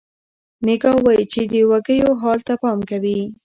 میکا وایي چې د وږیو حال ته پام کوي.